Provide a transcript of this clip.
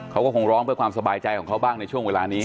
เขาก็คงร้องเพื่อความสบายใจของเขาบ้างในช่วงเวลานี้